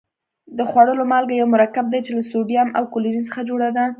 د خوړلو مالګه یو مرکب دی چې له سوډیم او کلورین څخه جوړه ده.